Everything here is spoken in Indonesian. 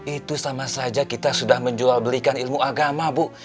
itu sama saja kita sudah menjual belikan ilmu agama bu